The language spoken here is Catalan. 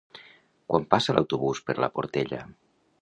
Quan passa l'autobús per la Portella?